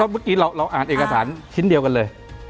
เมื่อกี้เราอ่านเอกสารชิ้นเดียวกันเลย